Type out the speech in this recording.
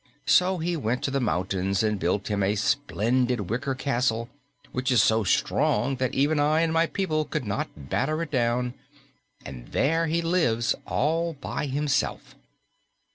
So he went to the mountains and built him a splendid wicker castle which is so strong that even I and my people could not batter it down, and there he lives all by himself."